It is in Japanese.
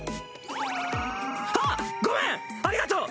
あっごめんありがとう！